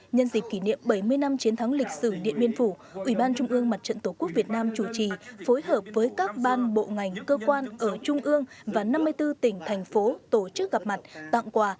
nhân dịp kỷ niệm bảy mươi năm chiến thắng lịch sử điện biên phủ ubnd mặt trận tổ quốc việt nam chủ trì phối hợp với các ban bộ ngành cơ quan ở trung ương và năm mươi bốn tỉnh thành phố tổ chức gặp mặt